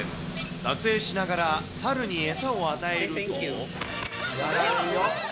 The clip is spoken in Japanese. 撮影しながら猿に餌を与えると。